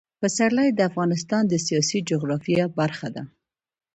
پسرلی د افغانستان د سیاسي جغرافیه برخه ده.